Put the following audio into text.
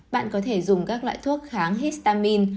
bạn có thể dùng các loại thuốc kháng histamine